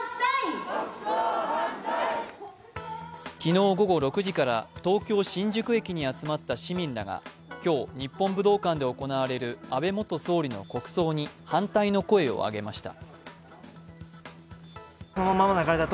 昨日午後６時から、東京・新宿駅に集まった市民らが今日、日本武道館で行われる安倍元総理の国葬に反対の声を上げました。